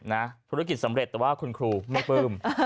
ธุรกิจสำเร็จแต่ว่าคุณครูไม่ปลื้ม